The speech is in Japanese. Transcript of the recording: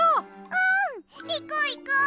うん！いこういこう！